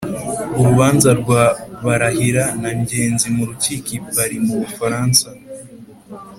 Urubanza rwa Barahira na Ngenzi m'urukiko i Paris m'Ubufaransa.